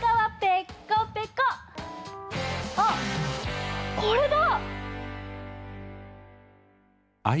あっこれだ！